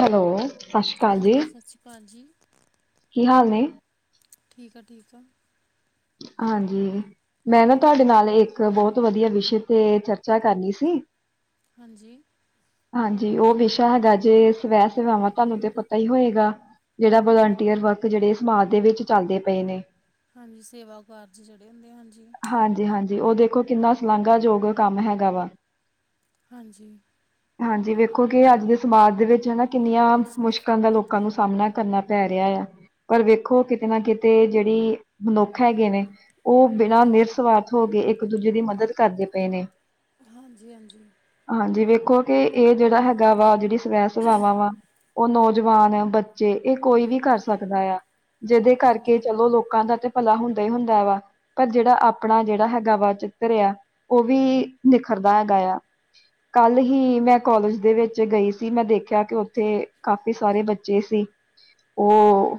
Hello, ਸਤਿ ਸ਼੍ਰੀ ਅਕਾਲ ਜੀ। ਹਾਂਜੀ ਸਤਿ ਸ਼੍ਰੀ ਅਕਾਲ ਜੀ ਕੀ ਹਾਲ ਨੇ? ਠੀਕ ਆ, ਠੀਕ ਆ। ਹਾਂਜੀ। ਮੈਂ ਨਾ ਤੁਹਾਡੇ ਨਾਲ ਇੱਕ ਬਹੁਤ ਵਧੀਆ ਵਿਸ਼ੇ ਤੇ ਚਰਚਾ ਕਰਨੀ ਸੀ। ਹਾਂਜੀ। ਹਾਂਜੀ। ਉਹ ਵਿਸ਼ਾ ਹੈਗਾ ਜੇ ਸਵੈ ਸੇਵਾਵਾਂ, ਤੁਹਾਨੂੰ ਤੇ ਪਤਾ ਹੀ ਹੋਏਗਾ। ਜਿਹੜਾ ਵਲੰਟੀਅਰ ਵਰਕ ਜਿਹੜੇ ਸਮਾਜ ਦੇ ਵਿੱਚ ਚੱਲਦੇ ਪਏ ਨੇ। ਹਾਂਜੀ। ਸੇਵਾ ਕਾਰਜ ਜਿਹੜੇ ਹੁੰਦੇ ਆ ਹਾਂਜੀ। ਹਾਂਜੀ -ਹਾਂਜੀ ਉਹ ਦੇਖੋ ਕਿੰਨਾ ਸਲਾਾਂਘਾਯੋਗ ਕੰਮ ਹੈਗਾ ਵਾ। ਹਾਂਜੀ। ਹਾਂਜੀ। ਵੇਖੋ ਕਿ ਅੱਜ ਦੇ ਸਮਾਜ ਦੇ ਵਿੱਚ ਹਨਾ ਕਿੰਨੀਆਂ, ਮੁਸ਼ਕਿਲਾਂ ਦਾ ਲੋਕਾਂ ਨੂੰ ਸਾਹਮਣਾ ਕਰਨਾ ਪੈ ਰਿਹਾ ਆ। ਪਰ ਵੇਖੋ ਕਿਤੇ ਨਾ ਕਿਤੇ ਜਿਹੜੀ ਮਨੁੱਖ ਹੈਗੇ ਨੇ। ਉਹ ਬਿਨਾਂ ਨਿਰਸਵਾਰਥ ਹੋ ਕੇ ਇੱਕ ਦੂਜੇ ਦੀ ਮਦਦ ਕਰਦੇ ਪਏ ਨੇ। ਹਾਂਜੀ -ਹਾਂਜੀ। ਹਾਂਜੀ। ਵੇਖੋ ਕਿ ਇਹ ਜਿਹੜਾ ਹੈਗਾ ਵਾ, ਜਿਹੜੀ ਸਵੈ ਸੇਵਾਵਾਂ ਵਾ ਉਹ ਨੌ ਜਵਾਨ- ਬੱਚੇ ਇਹ ਕੋਈ ਵੀ ਕਰ ਸਕਦਾ ਆ, ਜਿਹਦੇ ਕਰਕੇ ਹਾਂਜੀ ਚਲੋ ਲੋਕਾਂ ਦਾ ਤੇ ਭਲਾ ਹੁੰਦਾ ਹੀ ਹੁੰਦਾ ਵਾ। ਪਰ ਜਿਹੜਾ ਆਪਣਾ ਜਿਹੜਾ ਹੈਗਾ ਵਾ ਚਿੱਤਰ ਆ, ਉਹ ਵੀ ਨਿਖਰਦਾ ਹੈਗਾ ਆ। ਕੱਲ ਹੀ ਹੀ ਮੈਂ ਕੋਲਜ ਦੇ ਵਿੱਚ ਗਈ ਸੀ ਮੈਂ ਦੇਖਿਆ ਕਿ ਉੱਥੇ ਕਾਫੀ ਸਾਰੇ ਬੱਚੇ ਸੀ। ਉਹ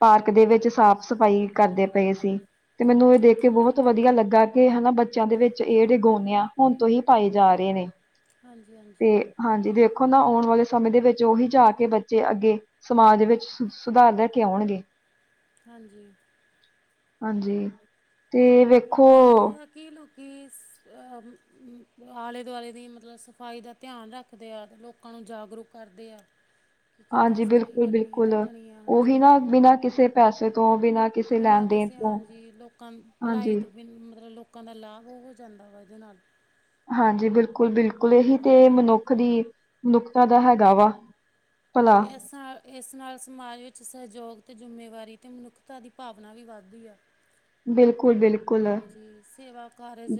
ਪਾਰਕ ਦੇ ਵਿੱਚ ਸਾਫ਼ ਸਫ਼ਾਈ ਕਰਦੇ ਪਏ ਸੀ। ਤੇ ਮੈਨੂੰ ਇਹ ਦੇਖ ਕੇ ਬਹੁਤ ਵਧੀਆ ਲੱਗਾ ਕਿ ਹਨਾ ਬੱਚਿਆਂ ਦੇ ਵਿੱਚ ਇਹ ਜਿਹੜੇ ਗੋਨਿਆਂ ਹੁਣ ਤੋਂ ਹੀ ਪਾਏ ਜਾ ਰਹੇ ਨੇ। ਤੇ ਹਾਂਜੀ-ਹਾਂਜੀ ਹਾਂਜੀ ਦੇਖੋ ਨਾ ਆਉਣ ਵਾਲੇ ਸਮੇਂ ਦੇ ਵਿੱਚ ਉਹੀ ਜਾ ਕੇ ਬੱਚੇ ਅੱਗੇ ਸਮਾਜ ਦੇ ਵਿੱਚ ਸੁਧਾਰ ਲੈ ਕੇ ਆਉਣਗੇ। ਹਾਂਜੀ। ਹਾਂਜੀ ਤੇ ਵੇਖੋ ਹਾਂਜੀ ਕੀ ਲੋਕੀ ਆਲੇ ਦੁਆਲੇ ਦੀ ਮਤਲਬ ਸਫਾਈ ਦਾ ਧਿਆਨ ਰੱਖਦੇ ਆ ਲੋਕਾਂ ਨੂੰ ਜਾਗਰੂਕ ਕਰਦੇ ਆ। ਕਿ ਕਿੱਦਾਂ ਹਾਂਜੀ, ਸਫਾਈ ਕਰਨੀ ਹੈ ਬਿਲਕੁਲ-ਬਿਲਕੁਲ ਰੱਖਣੀ ਹੈ ਉਹੀ ਹਾਂਜੀ ਨਾ ਬਿਨਾਂ ਕਿਸੇ ਪੈਸੇ ਤੋਂ ਬਿਨਾਂ ਕਿਸੇ ਲੈਣ ਬਿਨਾਂ ਦੇਣ ਕਿਸੇ ਤੋਂ ਹਾਂਜੀ ਲੋਕਾਂ ਹਾਂਜੀ ਭਲਾਈ ਤੋਂ ਬਿ ਮਤਲਬ ਲੋਕਾਂ ਦਾ ਲਾਭ ਉਹ ਹੋ ਜਾਂਦਾ ਵਾ ਇਹਦੇ ਨਾਲ। ਹਾਂਜੀ, ਬਿਲਕੁਲ-ਬਿਲਕੁਲ ਇਹੀ ਤੇ ਹਾਂਜੀ ਮਨੁੱਖ ਦੀ ਮਨੁੱਖਤਾ ਦਾ ਹੈਗਾ ਵਾ। ਭਲਾ ਹਾਂਜੀੇ ਐਸ ਸਾਲ ਇਸ ਨਾਲ ਸਮਾਜ ਵਿੱਚ ਸਹਿਯੋਗ ਅਤੇ ਜ਼ਿੰਮੇਵਾਰੀ ਅਤੇ ਮਨੁੱਖਤਾ ਦੀ ਭਾਵਨਾ ਵੀ ਵੱਧਦੀ ਹੈ। ਬਿਲਕੁਲ ਬਿਲ ਹਾਂਜੀ ਸੇਵਾ ਕਾਰਜ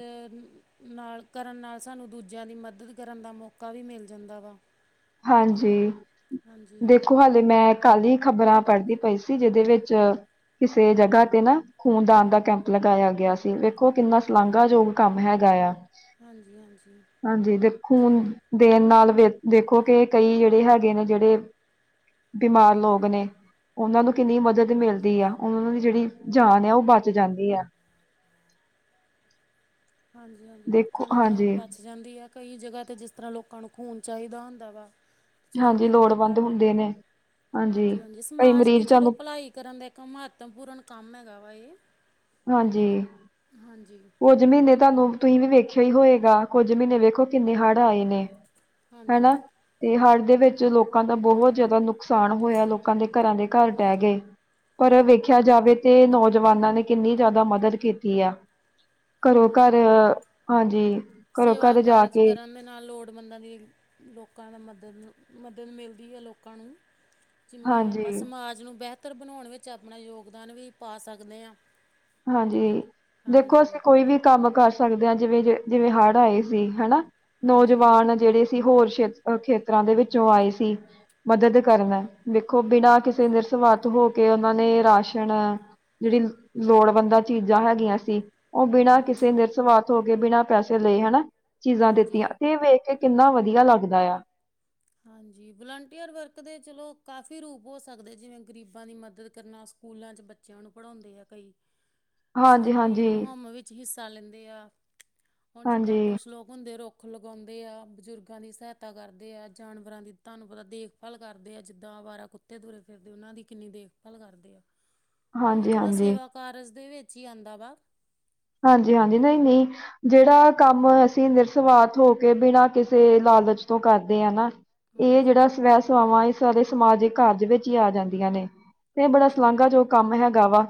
ਨਾਲ ਕਰਨ ਨਾਲ ਸਾਨੂੰ ਦੂਜਿਆਂ ਦੀ ਮਦਦ ਕਰਨ ਦਾ ਮੌਕਾ ਵੀ ਮਿਲ ਜਾਂਦਾ ਵਾ। ਹਾਂਜੀ ਜਿੱਦਾਂ ਹਾਂਜੀ ਦੇਖੋ ਹਾਲੇ ਮੈਂ ਕੱਲ ਦੀ ਖ਼ਬਰਾਂ ਪੜ੍ਹਦੀ ਪਈ ਸੀ ਜਿਹਦੇ ਵਿੱਚ ਕਿਸੇ ਜਗ੍ਹਾ ਤੇ ਨਾ ਖ਼ੂਨਦਾਨ ਦਾ ਕੈਂਪ ਲਗਾਇਆ ਗਿਆ ਸੀ ਵੇਖੋ ਕਿੰਨਾ ਸਲਾਘਾਯੋਗ ਕੰਮ ਹੈਗਾ ਆ। ਹਾਂਜੀ-ਹਾਂਜੀ ਹਾਂਜੀ ਦੇ ਖੂਨ ਦੇਣ ਨਾਲੇ ਦੇਖੋ ਕਿ ਕਈ ਜਿਹੜੇ ਹੈਗੇ ਨੇ ਜਿਹੜੇ ਬਿਮਾਰ ਹਾਂਜੀ ਲੋਕ ਨੇ। ਉਹਨਾਂ ਨੂੰ ਕਿੰਨੀ ਮਦਦ ਮਿਲਦੀ ਆ, ਉਹਨਾਂ ਦੀ ਜਿਹੜੀ ਜਾਨ ਆ ਉਹ ਬਚ ਜਾਂਦੀ ਹੈ। ਹਾਂਜੀ-ਹਾਂਜੀ ਦੇਖੋ ਲੋਕਾਂ ਦੀ ਜਾਨ ਹਾਂਜੀ ਬਚ ਜਾਂਦੀ ਆ ਕਈ ਜਗ੍ਹਾ ਤੇ ਜਿਸ ਤਰ੍ਹਾਂ ਲੋਕਾਂ ਨੂੰ ਖੂਨ ਚਾਹੀਦਾ ਹੁੰਦਾ ਵਾ। ਚਲੋ ਹਾਂਜੀ ਮਿਲ ਜਾਂਦਾ ਲੋੜਵੰਦ ਵਾ ਹੁੰਦੇ ਨੇ ਹਾਂਜੀ, ਹਾਂਜੀ-ਹਾਂਜੀ ਕਈ ਸਮਾਜ ਦੀ ਮਰੀਜ਼ ਚਲੋ ਤੁਹਾਨੂੰ ਭਲਾਈ ਕਰਨ ਦਾ ਇੱਕ ਮਹੱਤਵਪੂਰਨ ਕੰਮ ਹੈਗਾ ਵਾ ਇਹ। ਹਾਂਜੀ ਹਾਂਜੀ ਕੁੱਝ ਮਹੀਨੇ ਤੁਹਾਨੂੰ ਤੁਸੀਂ ਵੀ ਵੇਖਿਆ ਹੀ ਹੋਏਗਾ ਕੁੱਝ ਮਹੀਨੇ ਵੇਖੋ ਕਿੰਨੇ ਹੜ੍ਹ ਆਏ ਨੇ। ਹਨਾ। ਹਾਂਜੀ ਤੇ ਹੜ੍ਹ ਦੇ ਵਿੱਚ ਲੋਕਾਂ ਦਾ ਬਹੁਤ ਜ਼ਿਆਦਾ ਨੁਕਸਾਨ ਹੋਇਆ ਲੋਕਾਂ ਦੇ ਘਰਾਂ ਦੇ ਘਰ ਡਹਿ ਗਏ। ਪਰ ਓ ਵੇਖਿਆ ਜਾਵੇ ਤੇ ਨੌਜਵਾਨਾਂ ਨੇ ਕਿੰਨੀ ਜਾਦਾ ਮਦਦ ਕੀਤੀ ਆ। ਘਰੋ ਘਰ ਹਾਂਜੀ। ਘਰੋਂ ਸੇਵਾ ਘਰ ਜਾ ਕਾਰਜ ਕੇ ਕਰਨ ਦੇ ਨਾਲ ਲੋੜ ਮੰਦਾਂ ਦੀ ਲੋਕਾਂ ਦਾ ਮਦਦ ਨੂੰ ਮਦਦ ਮਿਲਦੀ ਐ ਲੋਕਾਂ ਨੂੰ। ਜਿਵੇਂ ਹਾਂਜੀ। ਆਪਾ ਸਮਾਜ ਨੂੰ ਬਿਹਤਰ ਬਣਾਉਣ ਵਿੱਚ ਆਪਣਾ ਯੋਗਦਾਨ ਵੀ ਪਾ ਸਕਦੇ ਹਾ। ਹਾਂਜੀ, ਦੇਖੋ ਅਸੀਂ ਕੋਈ ਵੀ ਕੰਮ ਕਰ ਸਕਦੇ ਹਾਂ ਜਿਵੇਂ, ਜਿਵੇਂ ਹੜ ਆਏ ਸੀ ਹਨਾ ਹਾਂਜੀ ਨੌਜਵਾਨ ਜਿਹੜੇ ਤੇ ਹੋਰੇ ਸ਼ੇਤਰ ਖੇਤਰਾਂ ਦੇ ਵਿੱਚੋਂ ਆਏ ਸੀ ਮਦਦ ਕਰਨ ਹਾਂਜੀ ਵੇ ਖੋ ਬਿਨਾਂ ਕਿਸੇ ਨਿਰਸਵਾਰਥ ਹੋ ਕੇ ਉਹਨਾਂ ਨੇ ਰਾਸ਼ਨ ਜਿਹੜੀ ਲੋੜਵੰਦਾਂ ਚੀਜ਼ਾਂ ਹੈਗੀਆ ਸੀ ਉਹ ਬਿਨਾਂ ਹਾਂਜੀ ਕਿਸੇ ਹਾਂਜੀ ਨਿਰਸਵਾਰਥ ਹੋ ਕੇ ਬਿਨਾਂ ਪੈਸੇ ਲਏ ਹਨਾ। ਚੀਜ਼ਾਂ ਦਿੱਤੀਆਂ ਹਾਂਜੀ ਤੇ ਵੇਖ ਕੇ ਕਿੰਨਾ ਵਧੀਆ ਲੱਗਦਾ ਆ। ਹਾਂਜੀ, ਵਲੰਟੀਅਰ ਵਰਕ ਦੇ ਚਲੋ ਕਾਫ਼ੀ ਰੂਪ ਹੋ ਸਕਦੇ ਜਿਵੇਂ ਗਰੀਬਾਂ ਦੀ ਮਦਦ ਕਰਨਾ, ਸਕੂਲਾਂ ਚ ਬ ਬੱਚਿਆਂ ਨੂੰ ਪੜ੍ਹਾਉਂਦੇ ਆ ਕਈ [unintelligible] ਸਫ਼ਾਈ ਹਾਂਜੀ ਮੁਹਿੰਮ ਵਿੱਚ ਹਿੱਸਾ ਲੈਂਦੇ ਆ, ਹੁਣ ਜਿੱਦਾਂ ਹਾਂਜੀ ਕੁਛ ਲੋਕ ਹੁੰਦੇ ਰੁ ਰੁੱਖ ਲਗਾਉਂਦੇ ਆ, ਬਜ਼ੁਰਗਾਂ ਦੀ ਸਹਾਇਤਾ ਕਰਦੇ ਆ ਜਾਨਵਰਾਂ ਦੀ ਤੁਹਾਨੂੰ ਪਤਾ ਦੇਖਭਾਲ ਕਰਦੇ ਆ, ਜਿੱਦਾਂ ਅਵਾਰਾ ਕੁੱਤੇ ਤੁਰੇ ਫਿਰਦੇ ਉਹਨਾਂ ਦੀ ਕਿੰਨੀ ਦੇਖਭਾਲ ਕਰਦੇ ਆ [unintelligible] ਉਹ ਵੀ ਚਲੋ ਹਾਂਜੀ ਸੇਵਾ ਕਾਰਜ ਦੇ ਵਿੱਚ ਹੀ ਆਂਉਦਾ ਵਾ। ਹਾਂਜੀ- ਹਾਂਜੀ, ਨਹੀਂ- ਨਹੀਂ। ਜਿਹੜਾ ਕੰਮ ਅਸੀਂ ਨਿਰਸਵਾਰਥ ਹੋ ਕੇ ਬਿਨਾਂ ਕਿਸੇ ਲਾਲਚ ਤੋਂ ਕਰਦੇ ਹ ਨਾ ਇਹ ਜਿਹੜਾ ਹਾਂਜੀ ਸਵੈ ਸਵਾਵਾਂ ਇਹ ਸਾਰੇ ਸਮਾਜਿਕ ਕਾਰਜ ਵਿੱਚ ਹੀ ਆ ਜਾਂਦੀਆਂ ਨੇ। ਤੇ ਬੜਾ ਹਾਂਜੀ ਸਲਾਂਘਾ ਯੋਗ ਕੰਮ ਹੈਗਾ ਵਾ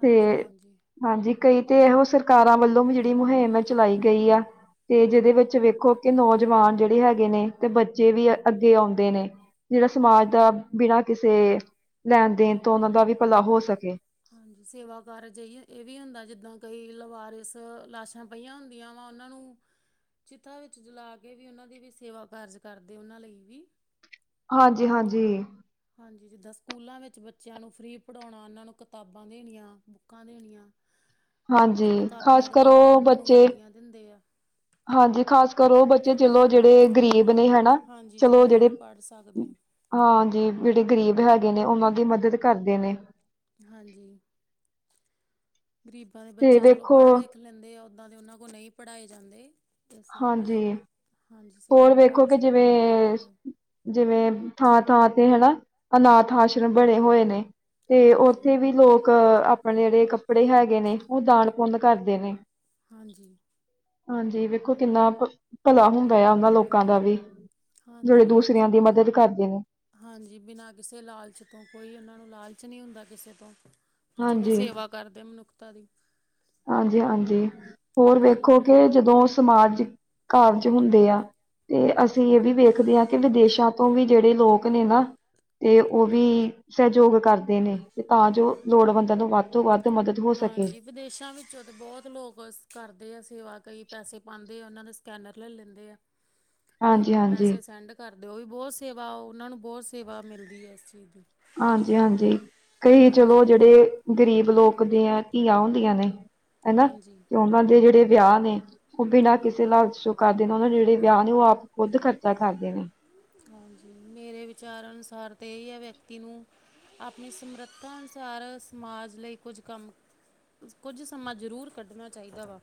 ਤੇ ਹਾਂਜੀ ਹਾਂਜੀ। ਕਈ ਤੇ ਇਹੋ ਸਰਕਾਰਾਂ ਵੱਲੋਂ ਵੀ ਜਿਹੜੀ ਮੁਹਿੰਮ ਹੈ ਚਲਾਈ ਗਈ ਆ, ਤੇ ਜਿਹਦੇ ਵਿੱਚ ਵੇਖੋ ਕਿ ਨੌਜਵਾਨ ਜਿਹੜੇ ਹੈਗੇ ਨੇ, ਤੇ ਬੱਚੇ ਵੀ ਅੱਗੇ ਆਉਂਦੇ ਨੇ ਜਿਹੜਾ ਸਮਾਜ ਦਾ ਬਿਨਾਂ ਕਿਸੇ, ਲੈਣ- ਦੇਣ ਤੋਂ ਉਹਨਾਂ ਦਾ ਵੀ ਭਲਾ ਹੋ ਸਕੇ ਹਾਂਜੀ, ਸੇਵਾ ਕਾਰਜਹੀ ਇਹ ਵੀ ਹੁੰਦਾ, ਜਿੱਦਾਂ ਕਈ ਲਵਾਰਿਸ ਲਾਸ਼ਾਂ ਪਈਆਂ ਹੁੰਦੀਆਂ ਵਾ, ਉਹਨਾਂ ਨੂੰ ਚਿਤਾ ਵਿੱਚ ਜਲਾ ਕੇ ਵੀ ਉਹਨਾਂ ਦੀ ਵੀ ਸੇਵਾ ਕਾਰਜ ਕਰਦੇ ਉਹਨਾਂ ਲਈ ਵੀ। ਹਾਂਜੀ, ਹਾਂਜੀ ਹਾਂਜੀ, ਜਿੱਦਾਂ ਸਕੂਲਾਂ ਵਿੱਚ ਬੱਚਿਆਂ ਨੂੰ ਫਰੀ ਪੜ੍ਹਾਉਣਾ, ਉਹਨਾਂ ਨੂੰ ਕਿਤਾਬਾਂ ਦੇਣੀਆਂ, ਬੁੱਕਾਂ ਦੇਣੀਆਂ। ਹਾਂਜੀ, ਚਲੋ ਕਾਪੀਆਂ ਖ਼ਾਸ ਕਰ ਕਿਤਾਬਾਂ ਓ ਉਹਨਾਂ ਨੂੰ ਬੱਚੇ। ਵਰਦੀਆਂ ਦਿੰਦੇ ਆ। ਹਾਂਜੀ ਖਾਸ ਕਰ ਉਹ ਬੱਚੇ ਚਲੋ ਜਿਹੜੇ ਗ਼ਰੀਬ ਨੇ ਹਨਾ, ਹਾਂਜੀ ਚਲੋ ਜਿਹੜੇ ਨਹੀਂ ਪੜ੍ਹ ਸਕਦੇ। ਹਾਂਜੀ, ਜਿਹੜੇ ਗ਼ਰੀਬ ਹੈਗੇ ਨੇ ਉਹਨਾਂ ਦੀ ਮਦਦ ਕਰਦੇ ਨੇ। ਹਾਂਜੀ, ਗ਼ਰੀਬਾਂ ਦੇ ਤੇ ਬੱਚੇ ਚਲੋ ਵੇਖੋ ਪੜ੍ਹ ਲਿਖ ਲੈਂਦੇ ਆ, ਓਦਾਂ ਦੇ ਉਹਨਾਂ ਕੋਲ ਨਹੀਂ ਪੜ੍ਹਾਏ ਜਾਂਦੇ। ਇਸ ਹਾਂਜੀ, ਹਾਂਜੀ ਹੋਰ ਸੇਵਾ ਵੇਖੋ ਕਿ ਕਾਰਜ ਕਰਨ ਜਿਵੇਂ ਨਾਲ ਪੜ੍ਹ ਲੈਂਦੇ ਜਿਵੇਂ, ਥਾਂ ਥਾਂ ਤੇ ਹਨਾ, ਅਨਾਥ ਆਸ਼ਰਮ ਬਣੇ ਹੋਏ ਨੇ ਤੇ ਹਾਂਜੀ ਉੱਥੇ ਵੀ ਲੋਕ ਆਪਣੇ ਜਿਹੜੇ ਕੱਪੜੇ ਹੈਗੇ ਨੇ, ਉਹ ਦਾਨ ਪੁੰਨ ਕਰਦੇ ਨੇ। ਹਾਂਜੀ, ਹਾਂਜੀ, ਵੇਖੋ ਕਿੰਨਾ ਭਲਾ ਹੁੰਦਾ ਆ ਉਹਨਾਂ ਲੋਕ ਲੋਕਾਂ ਦਾ ਵੀ, ਜਿਹੜੇ ਹਾਂਜੀ ਦੂਸਰਿਆਂ ਦੀ ਚਲੋ ਮਦਦ ਕਰਦੇ ਨੇ। ਹਾਂਜੀ, ਬਿਨਾਂ ਕਿਸੇ ਲਾਲਚ ਤੋਂ, ਕੋਈ ਉਹਨਾਂ ਨੂੰ ਲਾਲਚ ਨਹੀਂ ਹੁੰਦਾ ਕਿਸੇ ਤੋਂ ਤੇ ਚਲੋ, ਹਾਂਜੀ ਸੇਵਾ ਕਰਦੇ ਮਨੁੱਖਤਾ ਦੀ ਹਾਂਜੀ- ਹਾਂਜੀ, ਹੋਰ ਹਾਂਜੀ ਵੇਖੋ ਕਿ ਜਦੋਂ ਸਮਾਜਿਕ ਕਾਰਜ ਹੁੰਦੇ ਆ, ਤੇ ਹਾਂਜੀ ਅਸੀਂ ਇਹ ਵੀ ਵੇਖਦੇ ਹਾਂ। ਕਿ ਵਿਦੇਸ਼ਾਂ ਤੋਂ ਵੀ ਜਿਹੜੇ ਲੋਕ ਨੇ ਨਾ, ਤੇ ਉਹ ਵੀ ਸਹਿਯੋਗ ਕਰਦੇ ਨੇ ਤੇ ਤਾਂ ਜੋ, ਲੋੜਵੰਦਾਂ ਨੂੰ ਵੱਧ ਤੋਂ ਵੱਧ ਮਦਦ ਹੋ ਸਕੇ। ਹਾਂਜੀ, ਵਿਦੇਸ਼ਾਂ ਵਿੱਚੋਂ ਤਾਂ ਬਹੁਤ ਲੋਕ ਕਰਦੇ ਆ ਸੇਵਾ ਕਈ ਪੈਸੇ ਪਾਉਂਦੇ ਆ ਉਹਨਾਂ ਦੇ ਸਕੈਨਰ ਲੈ ਲੈਂਦੇ ਆ [unintelligible] ਤੇ ਉਹਨਾਂ ਨੂੰ ਹਾਂਜੀ-ਹਾਂਜੀ, ਪੈਸੇ ਸੈਂਡ ਕਰਦੇਓ, ਵੀ ਬਹੁਤ ਸੇਵਾ ਉਹਨਾਂ ਨੂੰ ਬਹੁਤ ਸੇਵਾ ਮਿਲਦੀ ਹੈ ਇਸ ਚੀਜ਼ ਦੀ ਹਾਂਜੀ -ਹਾਂਜੀ, ਕਈ ਚਲੋ ਹਾਂਜੀ ਜਿਹੜੇ ਗਰੀਬ ਲੋਕ ਦੀਆ ਧੀਆਂ ਹੁੰਦੀਆਂ ਨੇ ਹਨਾ, ਹਾਂਜੀ ਤੇ ਉਹਨਾਂ ਦੇ ਜਿਹੜੇ ਵਿਆਹ ਨੇ, ਉਹ ਬਿਨਾਂ ਕਿਸੇ ਹਾਂਜੀ ਨਾਲ ਕਰਦੇ ਨੇ, ਉਹਨਾਂ ਦੇ ਜਿਹੜੇ ਵਿਆਹ ਨੇ ਉਹ ਆਪ ਖੁਦ ਖਰਚਾ ਕਰਦੇ ਨੇ। ਹਾਂਜੀ, ਮੇਰੇ ਵਿਚਾਰ ਅਨੁਸਾਰ ਤੇ ਇਹੀ ਹੈ ਵਿਅਕਤੀ ਨੂੰ ਆਪਣੀ ਸਮਰੱਥਾ ਅਨੁਸਾਰ, ਸਮਾਜ ਲਈ ਕੁਝ ਕੰਮ ਕੁਝ ਸਮਾਂ ਜ਼ਰੂਰ ਕੱਢਣਾ ਚਾਹੀਦਾ ਵਾ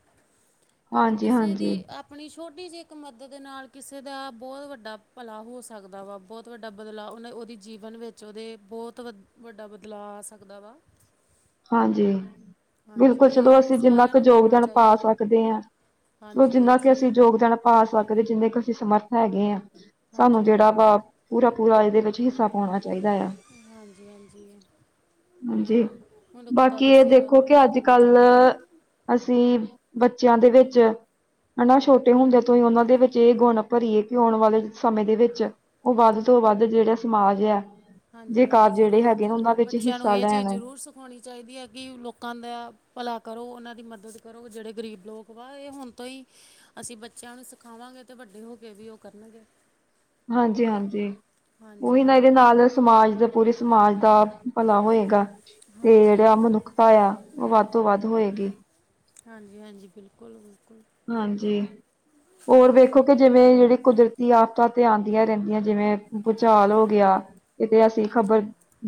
ਕਿਉਂਕਿ ਕਿਸੇ ਹਾਂਜੀ-ਹਾਂਜੀ, ਦੀ ਆਪਣੀ ਛੋਟੀ ਜਿਹੀ ਇੱਕ ਮਦਦ ਦੇ ਨਾਲ ਕਿਸੇ ਦਾ ਬਹੁਤ ਵੱਡਾ ਭਲਾ ਹੋ ਸਕਦਾ ਵਾ, ਬਹੁਤ ਵੱਡਾ ਬਦਲਾਅ, ਉਹਨੇ ਉਹਦੀ ਜੀਵਨ ਵਿੱਚ ਉਹਦੇ ਬਹੁਤ ਵ ਵੱਡਾ ਬਦਲਾਅ ਆ ਸਕਦਾ ਵਾ। ਹਾਂਜੀ ਹਾਂਜੀ ਬਿਲਕੁਲ ਚਲੋ ਇਹ ਅਸੀਂ ਜਿੰਨਾ ਸਾਰਿਆਂ ਕ ਨੂੰ ਕਰਨਾ ਯੋਗਦਾਨ ਪਾ ਚਾਹੀਦਾ ਵਾ ਸਕਦੇ ਆ। ਹਾਂਜੀ ਇਹ ਜਿੰਨਾ ਕਿ ਚੀ ਅਸੀਂ ਯੋਗਦਾਨ ਪਾ ਸਕਦੇ, ਜਿੰਨਾ ਕਿ ਅਸੀਂ ਸਮਰਥ ਹੈਗੇ ਹਾਂ। ਸਾਨੂੰ ਹਾਂਜੀ ਜਿਹੜਾ ਹਾਂਜੀ ਵਾ ਪੂਰਾ, ਪੂਰਾ ਇਹਦੇ ਵਿੱਚ ਹਿੱਸਾ ਪਾਉਣਾ ਚਾਹੀਦਾ ਆ। ਹਾਂਜੀ, ਹਾਂਜੀ ਏ। ਜੀ। ਬਾਕੀ ਇਹ ਸੇਵਾ ਦੇਖੋ ਤਾਂ ਕਿ ਬਹੁਤ ਅੱਜ ਕਰਨੀ ਕੱਲ ਚਾਹੀਦੀ ਅਸੀਂ ਬੱਚਿਆਂ ਦੇ ਵਿੱਚ ਹਨਾ ਛੋਟੇ ਹੁੰਦਿਆਂ ਤੋਂ ਹੀ ਉਹਨਾਂ ਦੇ ਵਿੱਚ ਇਹ ਗੁਣ ਭਰੀਏ ਕਿ ਆਉਣ ਵਾਲੇ ਸਮੇਂ ਦੇ ਵਿੱਚ ਉਹ ਵੱਧ ਤੋਂ ਵੱਧ ਜਿਹੜਾ ਸਮਾਜ ਆ। ਜੇ ਹਾਂਜੀ, ਕਾਰ ਹਾਂਜੀ ਜਿਹੜੇ ਜ਼ਰੂਰ ਹੈਗੇ ਨੇ ਉਹਨਾਂ ਜ਼ਰੂਰ ਵਿੱਚ ਬੱਚਿਆਂ ਨੂੰ ਹਿੱਸਾ ਇਹ ਚੀਜ਼ ਲੈਣ ਜ਼ਰੂਰ ਸਖ ਹੋਣੀ ਚਾਹੀਦੀ ਹੈ ਕਿ ਲੋਕਾਂ ਦਾ ਭਲਾ ਕਰੋ ਉਹਨਾਂ ਦੀ ਮਦਦ ਕਰੋ ਜਿਹੜੇ ਗਰੀਬ ਲੋਕ ਵਾ ਇਹ ਹੁਣ ਤੋਂ ਹੀ ਅਸੀਂ ਬੱਚਿਆਂ ਨੂੰ ਸਿਖਾਵਾਂਗੇ ਤੇ ਵੱਡੇ ਹੋ ਕੇ ਵੀ ਉਹ ਕਰਨਗੇ। ਹਾਂਜੀ, ਹਾਂਜੀ ਉਹੀ ਹਾਂਜੀ ਨਾ ਇਹਦੇ ਨਾਲ। ਸਮਾਜ ਦੇ ਪੂਰੇ ਸਮਾਜ ਦਾ ਭਲਾ ਹੋਏਗਾ ਤੇ ਹਾਂਜੀ ਜਿਹੜਾ ਮਨੁੱਖ ਤਾਆ ਉਹ ਵੱਧ ਤੋਂ ਵੱਧ ਹੋਏਗੀ। ਹਾਂਜੀ, ਹਾਂਜੀ ਬਿਲਕੁਲ, ਬਿਲਕੁਲ। ਹਾਂਜੀ। ਹੋਰ ਵੇਖੋ ਕਿ ਜਿਵੇਂ ਜਿਹੜੀ ਕੁਦਰਤੀ ਆਫ਼ਤਾਂ ਤੇ ਆਉਂਦੀਆਂ ਰਹਿੰਦੀਆਂ ਜਿਵੇਂ ਭੂਚਾਲ ਹੋ ਗਿਆ। ਕਿਤੇ ਐਸੀਂ ਹਾਂਜੀ ਖ਼ਬਰ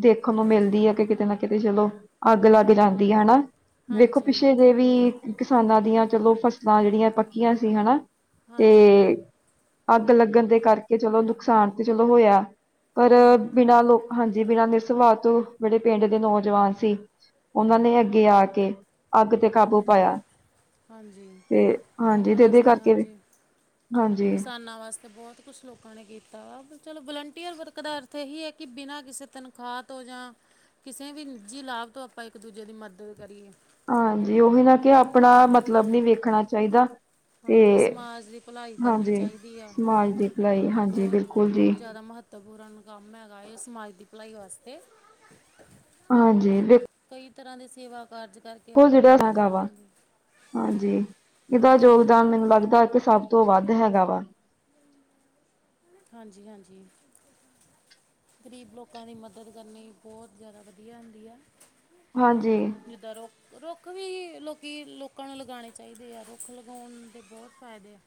ਦੇਖਣ ਨੂੰ ਮਿਲਦੀ ਹੈ ਕਿ ਕਿਤੇ ਨਾ ਕਿਤੇ ਚਲੋ ਅੱਗ ਲੱਗ ਹਾਂਜੀ ਜਾਂਦੀ ਹੈ ਹਨਾ ਵੇਖੋ ਹਾਂਜੀ ਪਿੱਛੇ ਜੇ ਵੀ ਕਿਸਾਨਾਂ ਦੀਆਂ ਚਲੋ ਫਸਲਾਂ ਜਿਹੜੀਆਂ ਪੱਕੀਆਂ ਸੀ ਹਨਾ ਹਾਂਜੀ ਤੇ ਹਾਂਜੀ ਅੱਗ ਲੱਗਣ ਦੇ ਕਰਕੇ ਚਲੋ ਨੁਕਸਾਨ ਤੇ ਚਲੋ ਹੋਇਆ ਪਰ ਹੂੰ ਬਿਨਾਂ ਲੋਕ ਹਾਂਜੀ, ਬਿਨਾਂ ਨਿਰ ਸਵਾ ਤੋਂ ਜਿਹੜੇ ਪਿੰਡ ਦੇ ਨੌਜਵਾਨ ਸੀ ਉਹਨਾਂ ਨੇ ਅੱਗੇ ਆ ਕੇ ਅੱਗ ਤੇ ਕਾਬੂ ਪਾਇਆ। ਹਾਂਜੀ, ਤੇ ਹਾਂਜੀ ਉਹਨਾਂ ਤੇ ਇਹਦੇ ਵਾਸਤੇ ਕਰਕੇ ਵੀ ਹਾਂਜੀ ਹਾਂਜੀ ਕਿਸਾਨਾਂ ਵਾਸਤੇ ਬਹੁਤ ਕੁਛ ਲੋਕ ਲੋਕਾਂ ਨੇ ਕੀਤਾ ਚਲੋ ਵਲੰਟੀਅਰ ਵਰਕ ਦਾ ਅਰਥ ਇਹੀ ਹੈ ਕਿ ਬਿਨਾਂ ਕਿਸੇ ਤਨਖਾਹ ਤੋਂ ਜਾਂ ਕਿਸੇ ਵੀ ਨਿੱਜੀ ਲਾਭ ਤੋਂ ਆਪਾਂ ਇੱਕ ਦੂਜੇ ਦੀ ਮਦਦ ਕਰੀਏ। ਹਾਂਜੀ, ਉਹੀ ਨਾ ਕੇ ਆਪਣਾ ਮਤਲਬ ਨੀ ਹਾਂਜੀ ਵੇਖਣਾ ਚਾਹੀਦਾ। ਤੇ ਹਾਂਜੀ, ਸਮਾਜ ਦੀ ਭਲਾਈ ਕਰਨੀ ਹਾਂਜੀ ਚਾਹੀਦੀ ਆ ਸਮਾਜ ਦੀ ਭਲਾਈ ਹਾਂਜੀ ਬਹੁਤ, ਬਿਲਕੁਲ ਜੀ ਬਹੁਤ ਜ਼ਿਆਦਾ ਮਹੱਤ ਮਹੱਤਵਪੂਰਨ ਕੰਮ ਹੈਗਾ ਇ ਸਮਾਜ ਦੀ ਭਲਾਈ ਵਾਸਤੇ। ਹਾਂਜੀ। ਕਈ ਤਰ੍ਹਾਂ ਦੇ ਸੇਵਾ ਕਾਰਜ ਕਰਕੇ ਉਹ ਆਪਾਂ ਜਿਹੜਾ ਬਹੁਤ ਹੈਗਾ ਵਾ ਲੋਕਾਂ ਦੀ ਹਾਂਜੀ, ਇਹਦਾ ਹਾਂਜੀ ਯੋਗਦਾਨ ਮੈਨੂੰ ਲੱਗਦਾ ਕਿ ਸਭ ਤੋਂ ਵੱਧ ਹੈਗਾ ਵਾ। ਹਾਂਜੀ, ਹਾਂਜੀ। ਗਰੀਬ ਲੋਕਾਂ ਦੀ ਮਦਦ ਕਰਨੀ ਬਹੁਤ ਜ਼ਿਆਦਾ ਵਧੀਆ ਹੁੰਦੀ ਹੈ। ਹਾਂਜੀ। ਜਿੱਦਾਂ ਰੁੱਖ, ਰੁੱਖ ਵੀ ਲੋਕੀ ਲੋਕਾਂ ਨੂੰ ਲਗਾਉਣੇ ਚਾਹੀਦੇ ਆ ਰੁੱਖ ਲਗਾਉਣ ਦੇ ਬਹੁਤ ਫਾਇਦੇ ਆ।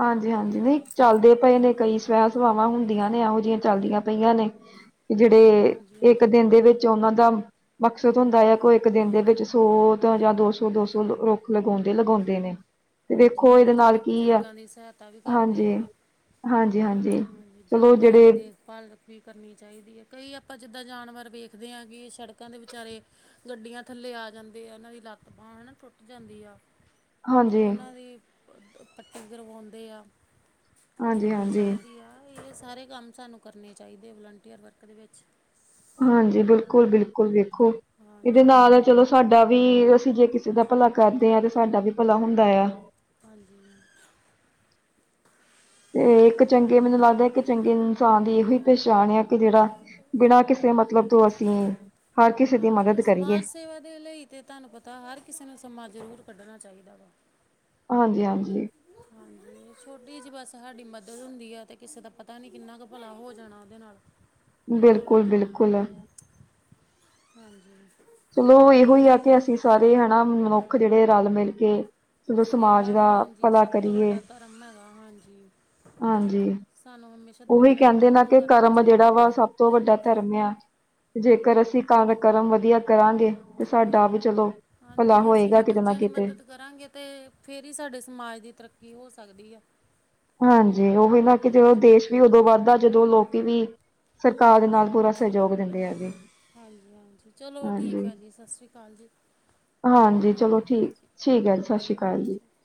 ਹਾਂਜੀ, ਹਾਂਜੀ ਨਹੀਂ ਚੱਲਦੇ ਪਏ ਨੇ ਕਈ ਸਵੈ ਸਵਾਵਾਂ ਹੁੰਦੀਆਂ ਨੇ ਇਹੋ ਜਿਹੀਆਂ ਚੱਲਦੀਆਂ ਪਈਆਂ ਨੇ। ਜਿਹੜੇ ਹਾਂਜੀ ਇੱਕ ਹਾਂਜੀ ਦਿਨ ਦੇ ਵਿੱਚ ਉਹਨਾਂ ਦਾ ਮਕਸਦ ਹੁੰਦਾ ਹੈ ਕੋਈ ਇੱਕ ਦਿਨ ਦੇ ਵਿੱਚ ਸੌ ਜਾਂ ਦੋ ਸੌ, ਦੋ ਸੌ ਰੁੱਖ ਲਗਾਉਂਦੇ ਲਗਾਉਂਦੇ ਨੇ। ਤੇ ਹਾਂਜੀ ਵੇਖੋ, ਇਹਦੇ ਹਾਂਜੀ ਨਾਲ ਜਿੱਦਾਂ ਕੀ ਆ। ਬਜ਼ੁਰਗਾਂ ਸਹਾਇਤਾ ਵੀ ਕਰਦੇ ਹਾਂਜੀ ਆ ਹਾਂਜੀ ਹਾਂਜੀ ਚਲੋ ਜਿਹੜੇ ਪਾਲਕ ਵੀ ਕਰਨੀ ਚਾਹੀਦੀ ਹੈ ਕਈ ਆਪਾਂ ਜਿੱਦਾਂ ਜਾਨਵਰ ਵੇਖਦੇ ਹਾਂ ਕਿ ਸੜਕਾਂ ਦੇ ਵਿਚਾਰੇ ਗੱਡੀਆਂ ਥੱਲੇ ਆ ਜਾਂਦੇ ਆ ਇਹਨਾਂ ਦੀ ਲੱਤ ਬਾਂਹ ਹਨਾ ਟੁੱਟ ਜਾਂਦੀ ਆ। ਹਾਂਜੀ, ਉਹਨਾਂ ਦੀ ਪੱਟੀ ਕਰਵਾਉਂਦੇ ਆ, ਕਰਵਾਉਣੀ ਹਾਂਜੀ-ਹਾਂਜੀ, ਚਾਹੀਦੀ। ਇਹ ਸਾਰੇ ਕੰਮ ਸਾਨੂੰ ਕਰਨੇ ਚਾਹੀਦੇ ਵਲੰਟੀਅਰ ਵਰਕ ਦੇ ਵਿੱਚ। ਹਾਂਜੀ, ਬਿਲਕੁਲ, ਬਿਲਕੁਲ ਵੇਖੋ ਇਹਦੇ ਹਾਂਜੀ ਨਾਲ ਚਲੋ, ਸਾਡਾ ਵੀ ਅਸੀਂ ਜੇ ਕਿਸੇ ਦਾ ਭਲਾ ਕਰਦੇ ਹਾਂ ਤੇ ਸਾਡਾ ਵੀ ਭਲਾ ਹੁੰਦਾ ਆ। ਹਾਂਜੀ। ਤੇ ਇੱਕ ਚੰਗੇ ਮੈਨੂੰ ਲੱਗਦਾ ਕਿ ਚੰਗੇ ਇਨਸਾਨ ਦੀ ਇਹੋ ਹੀ ਪੇਸ਼ਾਣ ਆ ਕਿ ਜਿਹੜਾ ਬਿਨਾਂ ਕਿਸੇ ਮਤਲਬ ਤੋਂ ਅਸੀਂ ਹਰ ਕਿਸੇ ਦੀ ਹਾਂਜੀ ਮਦਦ ਕਰੀਏ ਸਮਾਜ ਸੇਵਾ ਦੇ ਲਈ ਤਾਂ ਤੁਹਾਨੂੰ ਪਤਾ ਹਰ ਕਿਸੇ ਨੂੰ ਸਮਾਂ ਜ਼ਰੂਰ ਕੱਢਣਾ ਚਾਹੀਦਾ ਵਾ। ਹਾਂਜੀ-ਹਾਂਜੀ ਹਾਂਜੀ ਛੋਟੀ ਜ ਬਸ ਸਾਡੀ ਮਦਦ ਹੁੰਦੀ ਆ ਤੇ ਕਿਸੇ ਦਾ ਪਤਾ ਨੀ ਕਿੰਨਾ ਕੁ ਭਲਾ ਹੋ ਜਾਣਾ ਉਹਦੇ ਨਾਲ ਬਿਲਕੁਲ-ਬਿਲਕੁਲ [unintelligible] ਹੱਲਜੀ ਚਲੋ ਇਹੋ ਹੀ ਆ ਕਿ ਅਸੀਂ ਸਾਰੇ ਹਨਾ ਮਨੁੱਖ ਜਿਹੜੇ ਰਲ ਮਿਲ ਕੇ ਚਲੋ ਸਮਾਜ ਸੇਵਾ ਦਾ ਹੀ ਹਾਂਜੀ ਭਲਾ ਸਭ ਤੋਂ ਕਰੀਏ ਵੱਡਾ ਧਰਮ ਹੈਗਾ ਹਾਂਜੀ। ਹਾਂਜੀ ਸਾਨੂੰ ਉਹੀ ਦੂਜਿਆਂ ਦੀ ਕਹਿੰਦੇ ਨੇ ਮਦਦ ਕਿ ਕਰਨੀ ਕਰਮ ਜਿਹੜਾ ਚਾਹੀਦੀ ਹੈ ਵਾ ਸਭ ਤੋਂ ਵੱਡਾ ਧਰਮ ਆ। ਜੇਕਰ ਹਾਂਜੀ ਅਸੀਂ ਕਰਮ ਵਧੀਆ ਕਰਾਂਗੇ ਤੇ ਸਾਡਾ ਵੀ ਚਲੋ ਭਲਾ ਹਾਂਜੀ ਅਸੀਂ ਹੋਏਗਾ ਜੇ ਕਿਤੇ ਨਾ ਦੂਜਿਆਂ ਦੀ ਕਿਤੇ। ਮਦਦ ਕਰਾਂਗੇ ਤੇ ਫੇਰ ਹੀ ਸਾਡੇ ਸਮਾਜ ਦੀ ਤਰੱਕੀ ਹੋ ਸਕਦੀ ਹੈ। ਹਾਂਜੀ ਉਹ ਵੀ ਨਾ ਕਿ ਜਦੋਂ ਦੇਸ਼ ਵੀ ਹਾਂਜੀ ਉਦੋਂ ਵੱਧਦਾ ਜਦੋਂ ਲੋਕੀ ਵੀ ਸਰਕਾਰ ਦੇ ਨਾਲ ਪੂਰਾ ਸਹਿਜੋਗ ਦਿੰਦੇ ਆ ਜੀ। ਹਾਂਜੀ-ਹਾਂਜੀ ਚਲੋ ਠੀਕ ਹੈ ਜੀ ਸਤਿ ਸ਼੍ਰੀ ਅਕਾਲ ਜੀ। ਕੱਲ੍ਹ ਗੱਲ ਹਾਂਜੀ ਚਲੋ ਕਰਦੇ ਹਾਂ ਹਾਂਜੀ ਠੀਕ-ਠੀਕ ਹੈ ਜੀ ਸਤਿ ਸ਼੍ਰੀ ਠੀਕ ਅਕਾਲ ਜੀ। ਠੀਕ